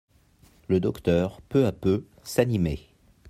Le docteur, peu à peu, s'animait.